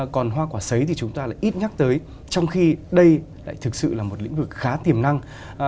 còn hoa quả sấy thì chúng ta lại ít nhắc tới trong khi đây lại thực sự là một lĩnh vực khá tiềm năng